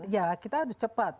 ya kita harus cepat